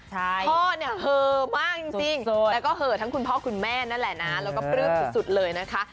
พ่อเนี่ยเหอะมากจริงแล้วก็เหอะทั้งคุณพ่อคุณแม่นั่นแหละนะแล้วก็ปลื้มสุดเลยนะคะ